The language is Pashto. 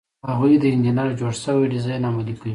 هغوی د انجینر جوړ شوی ډیزاین عملي کوي.